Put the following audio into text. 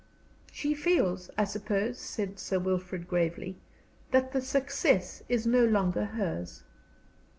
"She feels, I suppose," said Sir Wilfrid, gravely, "that the success is no longer hers."